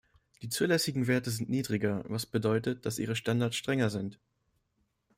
Die zulässigen Werte sind niedriger, was bedeutet, dass ihre Standards strenger sind.